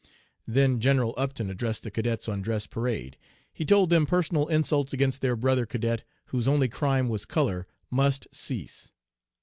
"Then General Upton addressed the cadets on dress parade. He told them personal insults against their brother cadet, whose only crime was color, must cease.